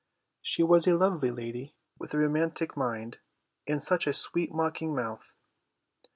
She was a lovely lady, with a romantic mind and such a sweet mocking mouth.